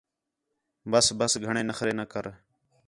بس بس گھݨے نخرے نہ کر